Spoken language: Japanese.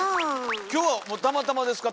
今日はたまたまですか？